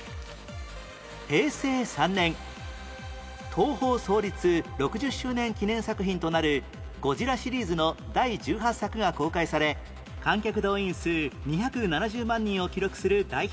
平成３年東宝創立６０周年記念作品となる『ゴジラ』シリーズの第１８作が公開され観客動員数２７０万人を記録する大ヒットに